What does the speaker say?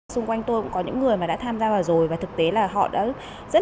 xung quanh tôi cũng có những người đã tham gia vào rồi và thực tế là họ đã rất là mong muốn